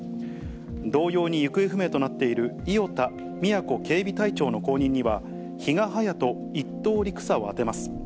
同様に行方不明となっている伊與田宮古警備隊長の後任には、比嘉隼人１等陸佐を充てます。